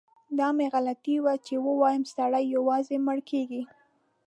دا مې غلطي وه چي ووایم سړی یوازې مړ کیږي.